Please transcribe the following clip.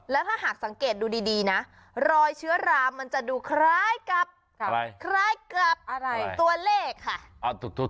แล้วถ้าหากสังเกตดูดีนะรอยเชื้อรามันจะดูคล้ายกับตัวเลขค่ะ